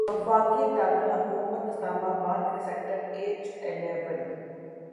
وفاقی دارالحکومت اسلام آباد کے سیکٹر ایچ الیون